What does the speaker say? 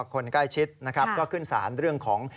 คนใกล้ชิดนะครับก็ขึ้นสารเรื่องของ